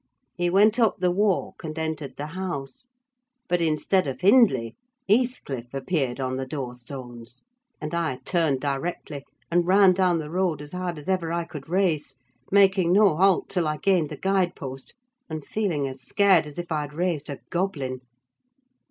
He went up the walk, and entered the house; but, instead of Hindley, Heathcliff appeared on the door stones; and I turned directly and ran down the road as hard as ever I could race, making no halt till I gained the guide post, and feeling as scared as if I had raised a goblin.